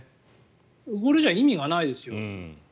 これじゃ意味がないですよ。